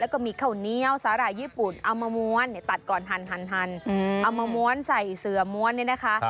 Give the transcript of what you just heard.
แล้วก็มีข้าวเหนียวสาหร่ายญี่ปุ่นเอามาม้วนเนี่ยตัดก่อนทันเอามาม้วนใส่เสือม้วนเนี่ยนะคะ